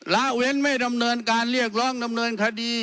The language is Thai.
ละเว้นไม่ดำเนินการเรียกร้องดำเนินคดี